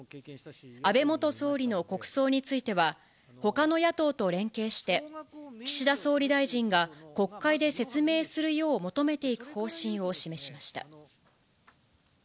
安倍元総理の国葬については、ほかの野党と連携して、岸田総理大臣が、国会で説明するよう求めていく方針を示しました。